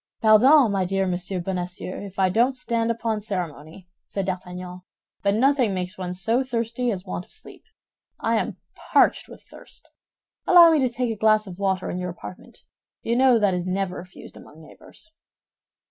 "Pardon, my dear Monsieur Bonacieux, if I don't stand upon ceremony," said D'Artagnan, "but nothing makes one so thirsty as want of sleep. I am parched with thirst. Allow me to take a glass of water in your apartment; you know that is never refused among neighbors."